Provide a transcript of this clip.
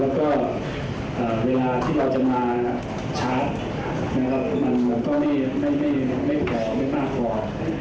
แล้วก็เวลาที่เราจะมาชาร์จมันก็ไม่เก่าไม่มากกว่า